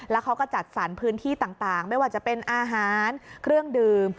แล้วเขาก็จัดสรรพื้นที่ต่างไม่ว่าจะเป็นอาหารเครื่องดื่ม